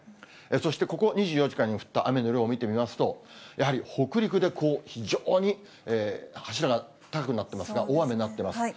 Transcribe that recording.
そして、ここ２４時間に降った雨の量を見てみますと、やはり北陸でこう、非常に柱が高くなっていますが、大雨になってます。